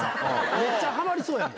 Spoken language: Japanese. めっちゃはまりそうやもん。